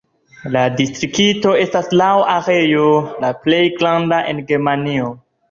La distrikto estas laŭ areo la plej granda en Germanio.